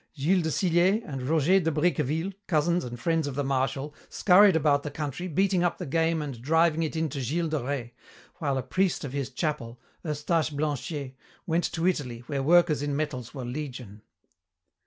Gilles de Sillé and Roger de Bricqueville, cousins and friends of the Marshal, scurried about the country, beating up the game and driving it in to Gilles de Rais, while a priest of his chapel, Eustache Blanchet, went to Italy where workers in metals were legion.